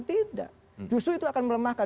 tidak justru itu akan melemahkan